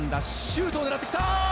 シュートを狙ってきた。